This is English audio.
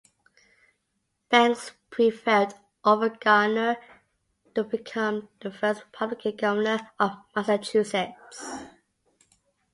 Banks prevailed over Gardner to become the first Republican Governor of Massachusetts.